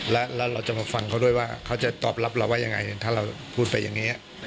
แล้วเราจะมาฟังเขาด้วยว่าเขาจะตอบรับเราว่ายังไงถ้าเราพูดไปอย่างนี้